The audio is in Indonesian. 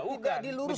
itu menjadi persoalan